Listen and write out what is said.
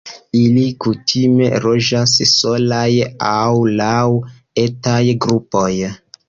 Ili kutime loĝas solaj aŭ laŭ etaj grupoj.